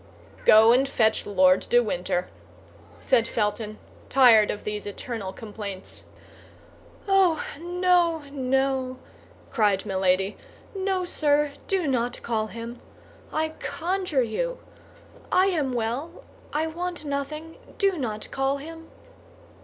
"Go and fetch Lord de Winter," said Felton, tired of these eternal complaints. "Oh, no, no!" cried Milady; "no, sir, do not call him, I conjure you. I am well, I want nothing; do not call him."